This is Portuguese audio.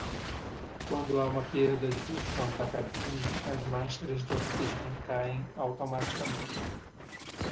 Quando há uma perda de pressão da cabine, as máscaras de oxigênio caem automaticamente.